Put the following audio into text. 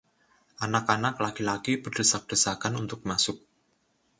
Anak-anak laki-laki berdesak-desakan untuk masuk.